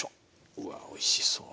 うわおいしそう。